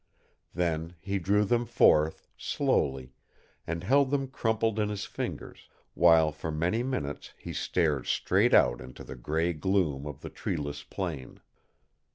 Then he drew them forth, slowly, and held them crumpled in his fingers, while for many minutes he stared straight out into the gray gloom of the treeless plain.